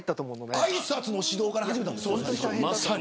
あいさつの指導から始めた。